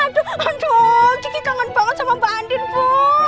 aduh gigi kangen banget sama mbak andin bu